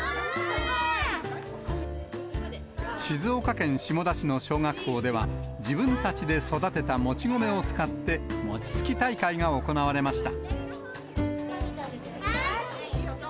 静岡県下田市の小学校では、自分たちで育てたもち米を使って、餅つき大会が行われました。